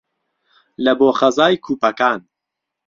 لە بۆ خەزای کوپەکان